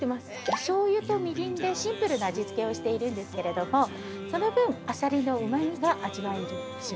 お醤油とみりんでシンプルな味付けをしているんですけどもその分あさりのうま味が味わえるシウマイでございます。